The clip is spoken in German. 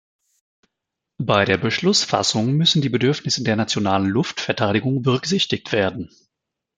Bei der Beschlussfassung müssen die Bedürfnisse der nationalen Luftverteidigung berücksichtigt werden.